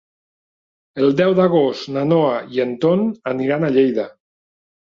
El deu d'agost na Noa i en Ton aniran a Lleida.